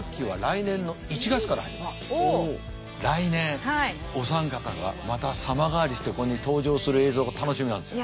今度は来年お三方がまた様変わりしてここに登場する映像が楽しみなんですよ。